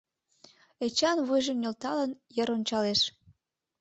Эчан, вуйжым нӧлталын, йыр ончалеш.